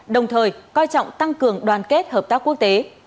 đồng thời coi trọng tăng cường đoàn kết hợp tác quốc tế